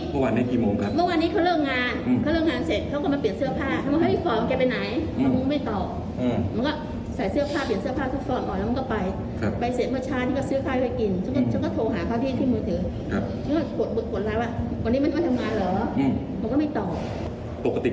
เค้าบอกว่าเค้าเลิกกันแล้ว